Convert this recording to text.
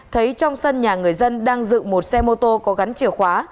thấy trong sân nhà người dân đang dựng một xe mô tô có gắn chìa khóa